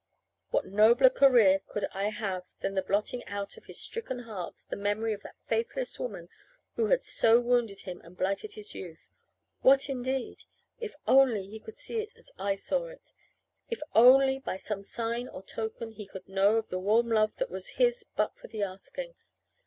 What nobler career could I have than the blotting out of his stricken heart the memory of that faithless woman who had so wounded him and blighted his youth? What, indeed? If only he could see it as I saw it. If only by some sign or token he could know of the warm love that was his but for the asking!